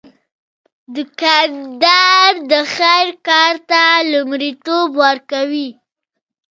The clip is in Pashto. دوکاندار د خیر کار ته لومړیتوب ورکوي.